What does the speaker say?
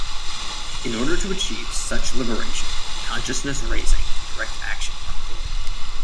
In order to achieve such liberation, consciousness raising and direct action were employed.